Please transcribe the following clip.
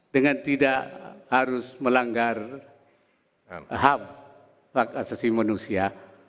dengan tidak harus melanggar ham pak asasi manusia